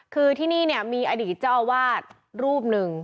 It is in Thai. คือที่นี่เนี่ยมีอดีตเจ้าอาวาสรูปหนึ่ง